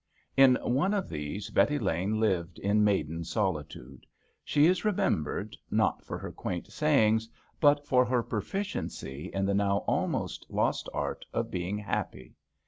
In one of these Betty Lane lived in maiden solitude. She is remembered, not for her quaint sayings, but for her pro ficiency in the now almost lost art of being happy.